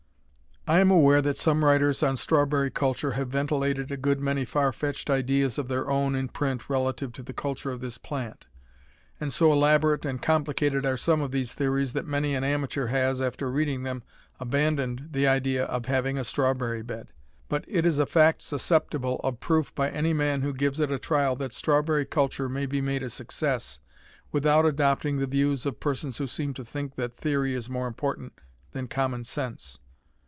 I am aware that some writers on strawberry culture have ventilated a good many far fetched ideas of their own in print relative to the culture of this plant, and so elaborate and complicated are some of these theories that many an amateur has, after reading them, abandoned the idea of having a strawberry bed. But it is a fact susceptible of proof by any man who gives it a trial that strawberry culture may be made a success without adopting the views of persons who seem to think that theory is more important than common sense.